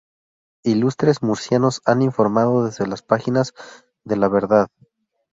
Ilustres murcianos han informado desde las páginas de "La Verdad".